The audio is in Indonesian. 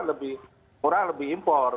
lebih murah lebih impor